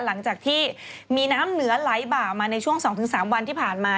หลังจากที่มีน้ำเหนือไหลบ่ามาในช่วง๒๓วันที่ผ่านมา